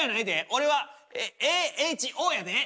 俺は「Ａ」「Ｈ」「Ｏ」やで！